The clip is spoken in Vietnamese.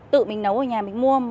tự mình nấu ở nhà mình mua